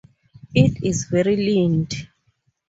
It is very learned.